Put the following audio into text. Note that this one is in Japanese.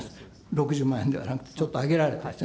６０万円ではなくて、ちょっと上げられて。